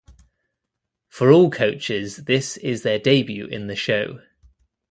For all coaches this is their debut in the show.